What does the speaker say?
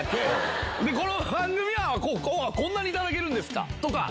でこの番組はこんなに頂けるんですか！とか。